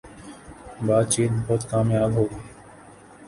باتچیت بہت کامیاب ہو گی